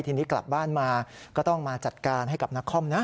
ทีนี้กลับบ้านมาก็ต้องมาจัดการให้กับนครนะ